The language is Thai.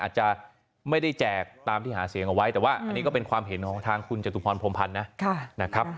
อาจจะไม่ได้แจกตามที่หาเสียงเอาไว้แต่ว่าอันนี้ก็เป็นความเห็นของทางคุณจตุพรพรมพันธ์นะครับ